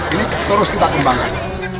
ini terus kita kembangkan